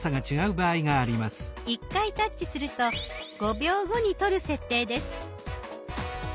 １回タッチすると５秒後に撮る設定です。